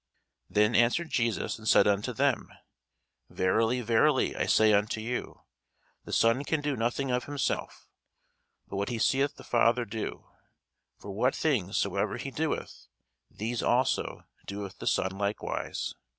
Then answered Jesus and said unto them, Verily, verily, I say unto you, The Son can do nothing of himself, but what he seeth the Father do: for what things soever he doeth, these also doeth the Son likewise.